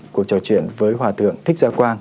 cuộc trò chuyện với hòa thượng thích gia quang